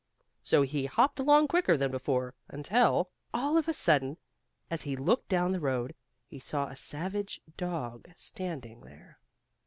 So he hopped along quicker than before, until, all of a sudden, as he looked down the road, he saw a savage dog standing there.